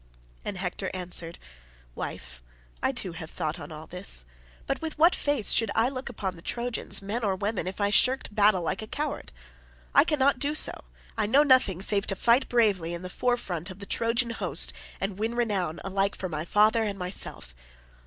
And Hector answered, "Wife, I too have thought upon all this, but with what face should I look upon the Trojans, men or women, if I shirked battle like a coward? I cannot do so: I know nothing save to fight bravely in the forefront of the Trojan host and win renown alike for my father and myself.